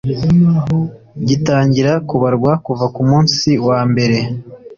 gitangira kubarwa kuva ku munsi wambere